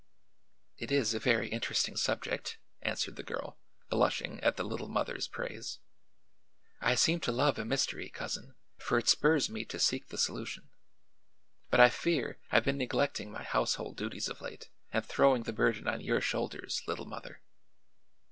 "It is a very interesting subject," answered the girl, blushing at the Little Mother's praise. "I seem to love a mystery, Cousin, for it spurs me to seek the solution. But I fear I've been neglecting my household duties of late and throwing the burden on your shoulders, Little Mother."